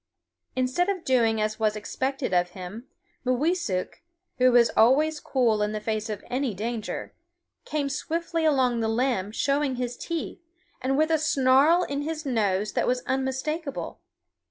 Instead of doing as was expected of him, Mooweesuk, who is always cool in the face of any danger, came swiftly along the limb showing his teeth, and with a snarl in his nose that was unmistakable.